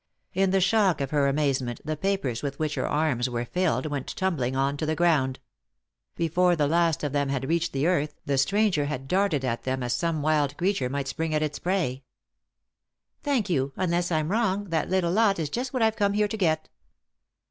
In the shock of her amazement the papers with which her arms were filled went tumbling on to the ground. Before the last of them had reached the earth the stranger had darted at them as some wild creature might spring at its prey. " Thank you — unless I'm wrong, that little lot is just what I've come here to get."